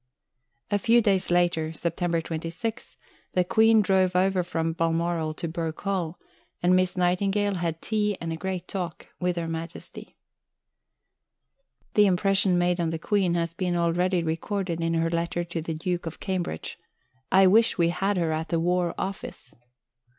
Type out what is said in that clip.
" A few days later (Sept. 26) the Queen drove over from Balmoral to Birk Hall, and Miss Nightingale had "tea and a great talk" with Her Majesty. The impression made on the Queen has been already recorded in her letter to the Duke of Cambridge: "I wish we had her at the War Office."